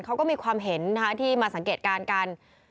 เขาก็มีความเห็นที่มาสังเกตการณ์กัน